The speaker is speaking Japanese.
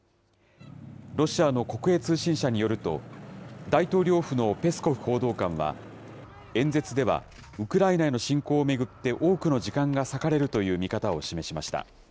ロシアの国営通信社によると、大統領府のペスコフ報道官は、演説では、ウクライナへの侵攻を巡って多くの時間が割かれるという見方を示しました。